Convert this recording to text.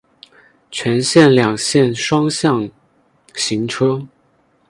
全线两线双向行车。